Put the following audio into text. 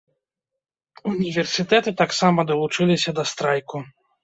Універсітэты таксама далучыліся да страйку.